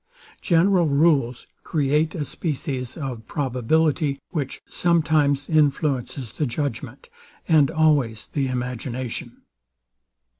General rules create a species of probability, which sometimes influences the judgment, and always the imagination.